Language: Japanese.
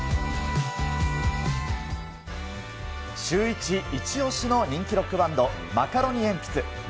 シューイチイチオシの人気ロックバンド、マカロニえんぴつ。